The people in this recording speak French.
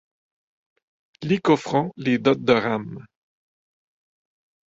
Lycophron les dote de rames.